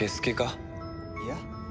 いや。